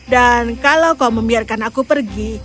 dan kalau kau membiarkan aku pergi